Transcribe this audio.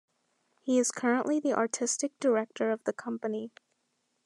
He is currently the Artistic Director of the company.